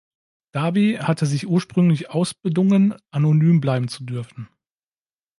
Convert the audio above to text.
Darby hatte sich ursprünglich ausbedungen, anonym bleiben zu dürfen.